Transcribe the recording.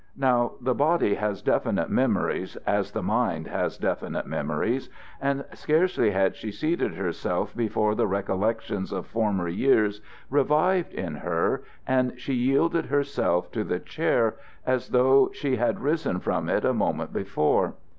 Now, the body has definite memories as the mind has definite memories, and scarcely had she seated herself before the recollections of former years revived in her and she yielded herself to the chair as though she had risen from it a moment before.